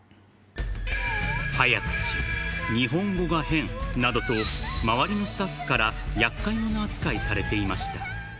早口、日本語が変などと、周りのスタッフからやっかい者扱いされていました。